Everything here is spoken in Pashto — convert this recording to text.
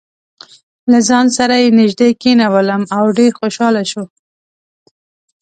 له ځان سره یې نژدې کېنولم او ډېر خوشاله شو.